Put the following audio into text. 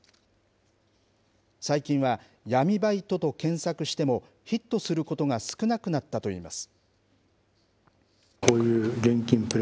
最近は闇バイトと検索しても、ヒットすることが少なくなったといいます。